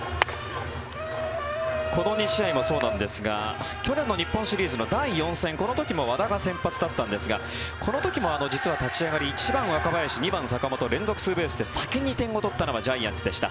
この２試合もそうなんですが去年の日本シリーズの第４戦この時も和田が先発だったんですがこの時も、実は立ち上がり１番、若林、２番、坂本連続スリーベースで先に点を取ったのはジャイアンツでした。